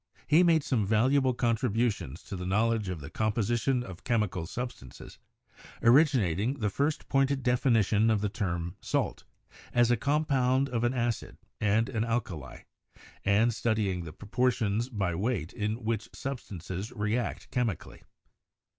He made some valuable contributions to the knowledge of the composition of chemical substances, originating the first pointed definition of the term 'salt,' as a compound of an acid and an alkali, and studying the proportions by weight in which substances react chemi cally.